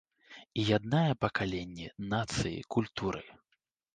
І яднае пакаленні, нацыі, культуры.